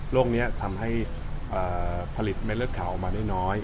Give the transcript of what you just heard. นี้ทำให้ผลิตเม็ดเลือดขาวออกมาได้น้อย